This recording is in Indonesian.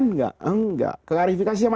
nggak enggak klarifikasi sama